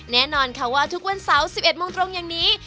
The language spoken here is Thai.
แน่นอนค่ะว่าทุกวันเสาร์๑๑โมงตรงอย่างนี้